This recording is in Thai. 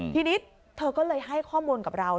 ทีนี้เธอก็เลยให้ข้อมูลกับเรา